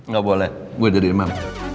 gak boleh gue jadi imam